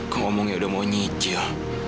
kamu ngomongnya udah mau nyicil